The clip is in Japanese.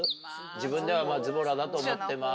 自分ではズボラだと思ってます。